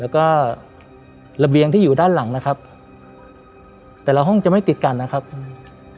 แล้วก็ระเบียงที่อยู่ด้านหลังนะครับแต่ละห้องจะไม่ติดกันนะครับอืม